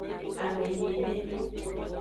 Amenyenye.